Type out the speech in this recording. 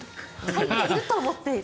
かいていると思っている。